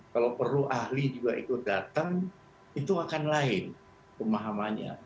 kalau perlu ahli juga ikut datang itu akan lain pemahamannya